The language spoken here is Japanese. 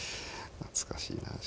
懐かしいなあ